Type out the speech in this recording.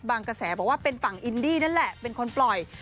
กระแสบอกว่าเป็นฝั่งอินดี้นั่นแหละเป็นคนปล่อย